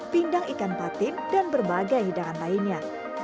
pindang ikan patin dan berbagai hidangan lainnya